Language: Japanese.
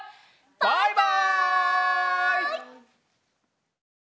バイバイ！